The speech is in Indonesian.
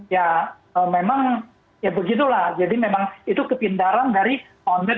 ya memang ya begitulah jadi memang itu kepindaran dari owner